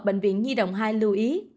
bệnh viện nhi đồng hai lưu ý